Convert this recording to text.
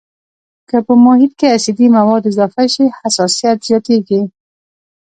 که په محیط کې اسیدي مواد اضافه شي حساسیت یې زیاتیږي.